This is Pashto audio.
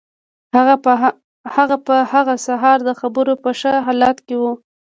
هغه په هغه سهار د خبرو په ښه حالت کې و